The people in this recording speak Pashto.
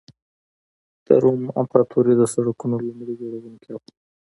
د روم امپراتوري د سړکونو لومړي جوړوونکې وه.